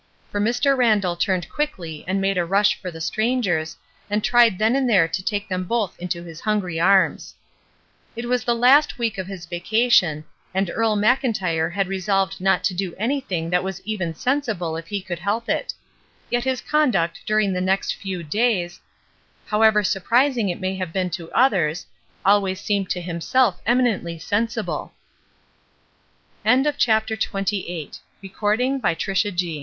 For Mr. Randall turned quickly and made a rush for the strangers, and tried then and there to take them both into his hungry arms. It was the last week of his vacation, and Earle Mclntyre had resolved not to do any thing that was even sensible if he could help it; yet his conduct during the next few days, however surprising it may have been to others, always seemed to himself